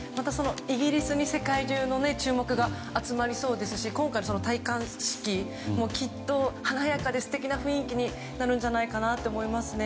イギリスに世界中の注目が集まりそうですし今回の戴冠式もきっと華やかで素敵な雰囲気になるんじゃないかなと思いますね。